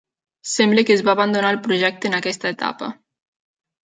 Sembla que es va abandonar el projecte en aquesta etapa.